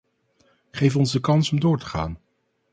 Geef ons de kans om door te gaan.